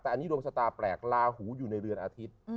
แต่อันนี้ดวงชะตาแปลกลาหูอยู่ในเรือนอาทิตย์